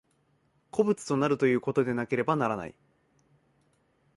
個物となるということでなければならない。